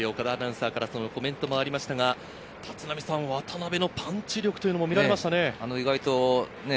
岡田アナウンサーからコメントもありましたが、渡辺のパンチ力も見られましたね。